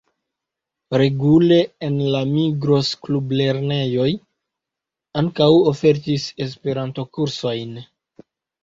Regule la Migros-Klublernejoj ankaŭ ofertis Esperanto-kursojn.